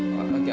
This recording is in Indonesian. aku akan mencoba